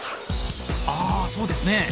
あそうですね。